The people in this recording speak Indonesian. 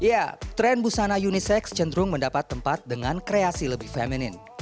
ya tren busana unisex cenderung mendapat tempat dengan kreasi lebih feminin